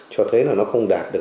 cho thấy là nó không đạt được